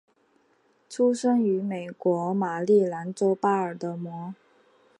出生于美国马里兰州巴尔的摩。